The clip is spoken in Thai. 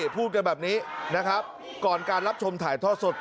พูดกันแบบนี้นะครับก่อนการรับชมถ่ายทอดสด